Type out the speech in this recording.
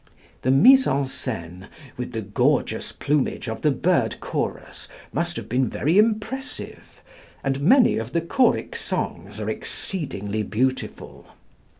The mise en scène, with the gorgeous plumage of the bird chorus, must have been very impressive, and many of the choric songs are exceedingly beautiful.